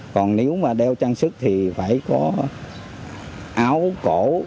còn nếu mà đeo trang sức thì phải cất kỹ trong giỏ sách và bỏ trong cốp xe cẩn thận